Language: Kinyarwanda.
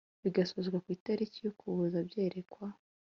bigasozwa ku itariki ya Ukuboza Byerekwa